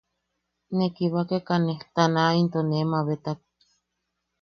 Ne kibakekane ta naʼa into nee mabetak.